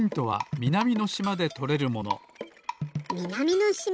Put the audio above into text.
みなみのしま？